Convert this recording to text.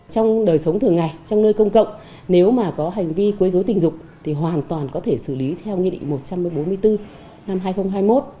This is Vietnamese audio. trong đời sống thường ngày trong nơi công cộng nếu mà có hành vi quấy dối tình dục thì hoàn toàn có thể xử lý theo nghị định một trăm bốn mươi bốn năm hai nghìn hai mươi một